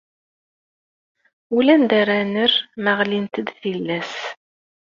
Ulanda ara nerr, ma ɣlint-d tillas.